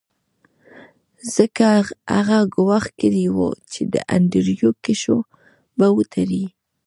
ځکه هغه ګواښ کړی و چې د انډریو کشو به وتړي